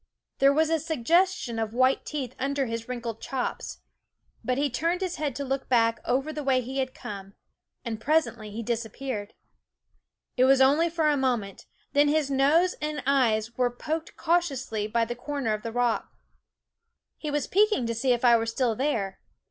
There was a sug gestion of \vhite teeth under his wrinkled chops ; but he turned his head to look back over the way he had come, and presently he disappeared. It was only for a moment; then his nose and eyes were poked cau tiously by the corner of rock. He was peek ing to see if I were still there.